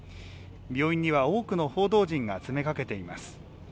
病院には多くの報道陣が詰めかけています。